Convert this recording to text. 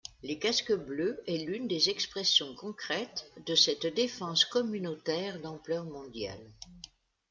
Les casques bleus est l'une des expressions concrètes de cette défense communautaire d'ampleur mondiale.